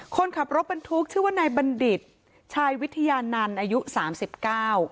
คนขับรถบรรทุกชื่อว่านายบัณฑิตชายวิทยานันต์อายุสามสิบเก้า